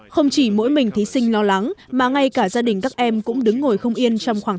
không chỉ mỗi mình thí sinh lo lắng mà ngay cả gia đình các em cũng đứng ngồi không yên trong khoảng